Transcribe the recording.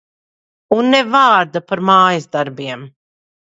Un ne vārda par mājasdarbiem.